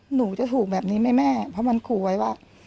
หนูจะถูกแบบนี้ไหมแม่เพราะมันขู่ไว้ว่า